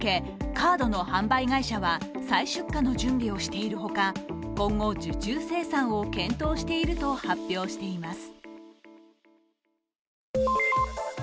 カードの販売会社は再出荷の準備をしているほか今後、受注生産を検討していると発表しています。